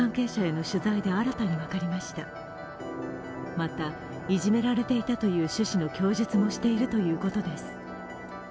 また、いじめられていたという趣旨の供述もしているということです。